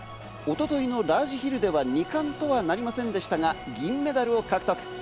一昨日のラージヒルでは２冠とはなりませんでしたが、銀メダルを獲得。